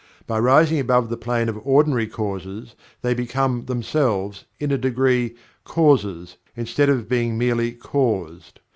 By rising above the plane of ordinary Causes they become themselves, in a degree, Causes instead of being merely Caused.